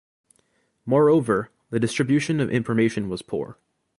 Moreover, the distribution of information was poor.